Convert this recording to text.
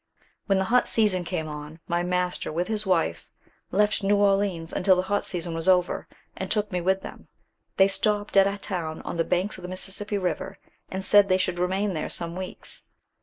When the hot season came on, my master, with his wife, left New Orleans until the hot season was over, and took me with them. They stopped at a town on the banks of the Mississippi river, and said they should remain there some weeks.